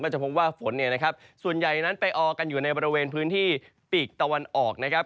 ก็จะพบว่าฝนส่วนใหญ่นั้นไปออกกันอยู่ในบริเวณพื้นที่ปีกตะวันออกนะครับ